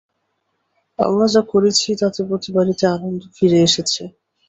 আমরা যা করেছি তাতে প্রতি বাড়িতে আনন্দ ফিরে এসেছে।